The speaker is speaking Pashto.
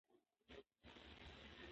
ـ شرم مې کوو بېخ مې وختو.